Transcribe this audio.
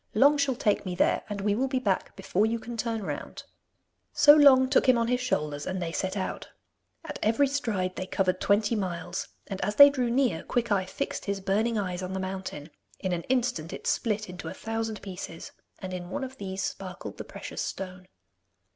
Long shall take me there, and we will be back before you can turn round.' So Long took him on his shoulders and they set out. At every stride they covered twenty miles, and as they drew near Quickeye fixed his burning eyes on the mountain; in an instant it split into a thousand pieces, and in one of these sparkled the precious stone.